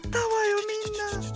みんな。